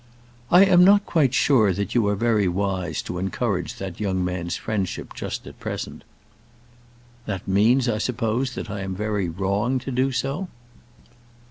"I am not quite sure that you are very wise to encourage that young man's friendship just at present." "That means, I suppose, that I am very wrong to do so?"